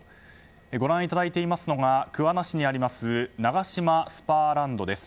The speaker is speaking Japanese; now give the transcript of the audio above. ご覧いただいていますのが桑名市にありますナガシマスパーランドです。